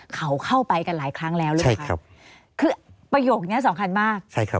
เขาเข้าไปกันหลายครั้งแล้วคือประโยคนี้สำคัญมาก